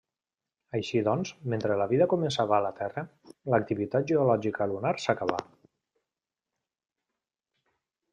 Així doncs, mentre la vida començava a la Terra, l'activitat geològica lunar s'acabà.